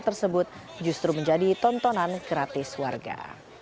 tersebut justru menjadi tontonan gratis warga